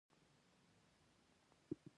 ژور درک ته رسیدل مرسته غواړي.